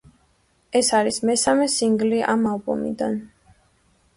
ეს არის მესამე სინგლი ამ ალბომიდან.